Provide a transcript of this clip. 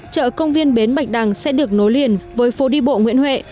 chợ công viên bến bạch đằng sẽ được nối liền với phố đi bộ nguyễn huệ